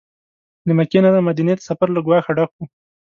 له مکې نه مدینې ته سفر له ګواښه ډک و.